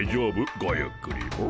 ごゆっくりモ。